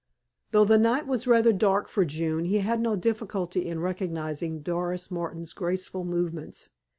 Though the night was rather dark for June, he had no difficulty in recognizing Doris Martin's graceful movements.